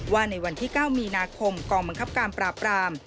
ว่าในวันที่๙มีนาคมกองบังคับการปราบราม